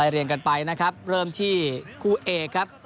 เรียนกันไปนะครับเริ่มที่คู่เอกครับ